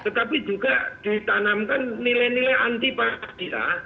tetapi juga ditanamkan nilai nilai anti paham kita